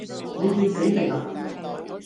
你轉死性呀